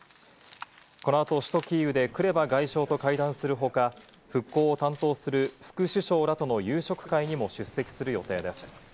このあと、首都キーウでクレバ外相と会談するほか、復興を担当する副首相らとの夕食会にも出席する予定です。